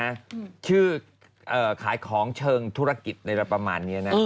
นะฮะชื่อเอ่อขายของเชิงธุรกิจอะไรแบบประมาณเงี้ยนะอืม